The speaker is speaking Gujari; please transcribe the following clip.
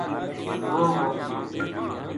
موؤ وو